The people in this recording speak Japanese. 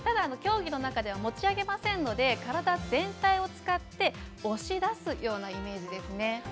競技中は持ち上げませんので体全体を使って押し出すようなイメージですね。